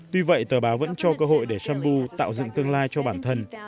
tuy vậy tờ báo vẫn cho cơ hội để sambo tạo dựng tương lai cho bản thân